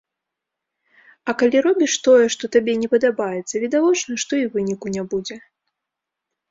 А калі робіш тое, што табе не падабаецца, відавочна, што і выніку не будзе.